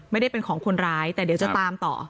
ไม่ได้เป็นของคนร้ายแต่เดี๋ยวจะตามต่อ